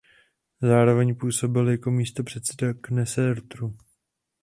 Zároveň působil jako místopředseda Knesetu.